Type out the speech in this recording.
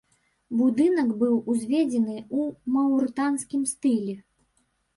Будынак быў узведзены ў маўрытанскім стылі.